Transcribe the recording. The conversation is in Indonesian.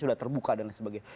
sudah terbuka dan lain sebagainya